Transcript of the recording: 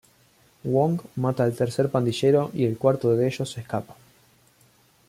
Wong mata al tercer pandillero y el cuarto de ellos escapa.